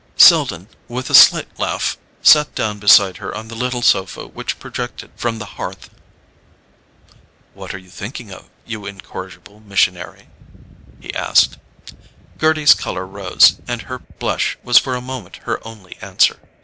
Selden, with a slight laugh, sat down beside her on the little sofa which projected from the hearth. "What are you thinking of, you incorrigible missionary?" he asked. Gerty's colour rose, and her blush was for a moment her only answer.